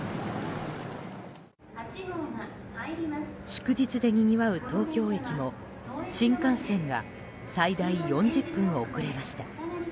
祝日でにぎわう東京駅も新幹線が最大４０分遅れました。